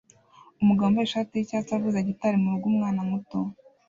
Umugabo wambaye ishati yicyatsi avuza gitari murugo umwana muto